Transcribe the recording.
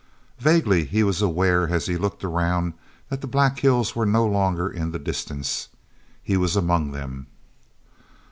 Vaguely he was aware as he looked around that the black hills were no longer in the distance. He was among them.